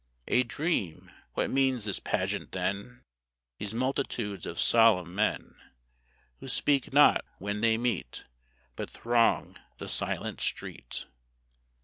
A dream? What means this pageant, then? These multitudes of solemn men, Who speak not when they meet, But throng the silent street?